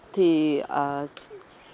thì sà phòng này sẽ là một nơi